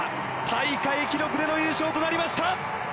大会記録での優勝となりました。